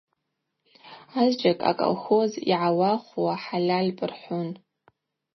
Азджьакӏ – Акӏалхоз йгӏауахвуа хӏальальпӏ – рхӏвун.